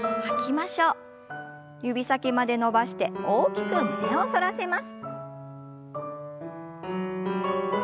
指先まで伸ばして大きく胸を反らせます。